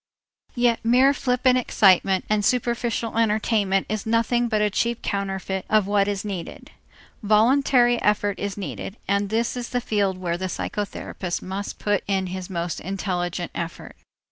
Yet mere flippant excitement and superficial entertainment is nothing but a cheap counterfeit of what is needed. Voluntary effort is needed, and this is the field where the psychotherapist must put in his most intelligent effort.